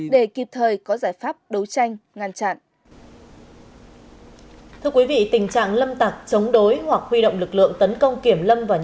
để kịp thời có giải pháp đấu tranh ngăn chặn